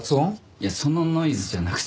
いやそのノイズじゃなくて。